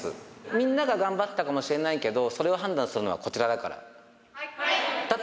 みんなが頑張ったかもしれないけど、それを判断するのはこちらだから。